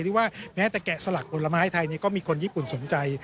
ที่ว่าแม้แต่แกะสลักผลไม้ไทยก็มีคนญี่ปุ่นสนใจ